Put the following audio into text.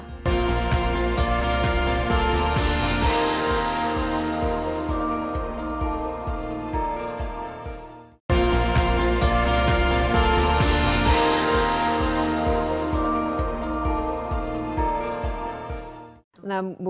tidak ada bubur nanti itu